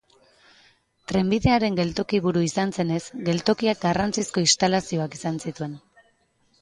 Trenbidearen geltoki-buru izan zenez, geltokiak garrantzizko instalazioak izan zituen.